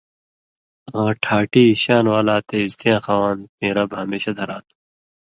آں ٹھاٹی (شان) والا تے عِزتِیاں خواند تیں رب ہمېشہ دھرا تُھو۔